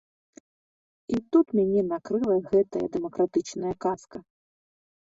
І тут мяне накрыла гэтая дэмакратычная казка!